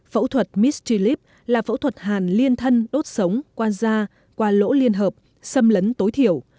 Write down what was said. phẫu thuật misty lip là phẫu thuật hàn liên thân đốt sống qua da qua lỗ liên hợp xâm lấn tối thiểu